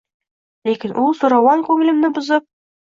Lekin u zo‘ravon ko‘nglimni buzib